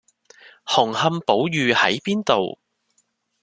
紅磡寶御喺邊度？